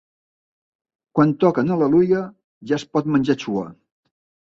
Quan toquen al·leluia ja es pot menjar xulla.